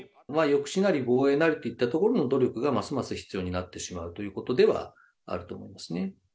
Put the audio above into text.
抑止なり防衛なりといったところの努力がますます必要になってしまうということではあると思いますね。